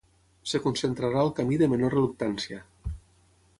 Es concentrarà al camí de menor reluctància.